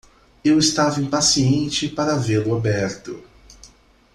Eu estava impaciente para vê-lo aberto.